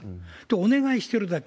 お願いしてるだけ。